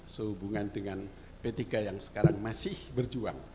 sehubungan dengan p tiga yang sekarang masih berjuang